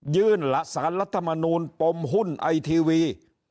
ยืนสหรัฐมนธรรมนูญประหนักหุ้นไอทีวี